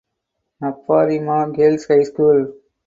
Naparima Girls High School.